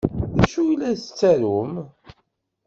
D acu ay la tettarum?